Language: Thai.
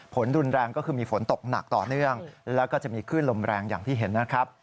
ฝนรุนแรงก็คือมีฝนตกหนักต่อเนื่องแล้วก็จะมีคลื่นลมแรงอย่างที่เห็นนะครับ